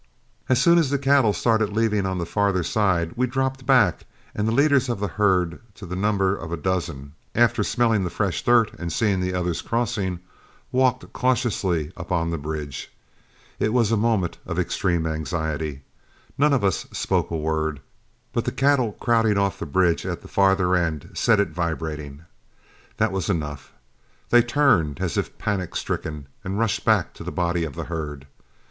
As soon as the cattle started leaving on the farther side, we dropped back, and the leaders of the herd to the number of a dozen, after smelling the fresh dirt and seeing the others crossing, walked cautiously up on the bridge. It was a moment of extreme anxiety. None of us spoke a word, but the cattle crowding off the bridge at the farther end set it vibrating. That was enough: they turned as if panic stricken and rushed back to the body of the herd.